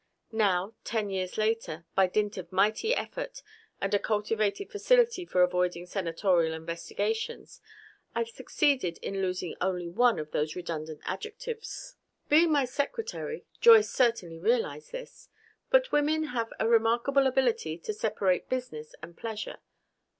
Now, ten years later, by dint of mighty effort and a cultivated facility for avoiding Senatorial investigations, I've succeeded in losing only one of those redundant adjectives. Being my secretary, Joyce certainly realized this. But women have a remarkable ability to separate business and pleasure.